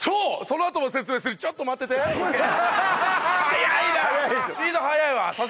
そのあとも説明するちょっと待ってて早いな！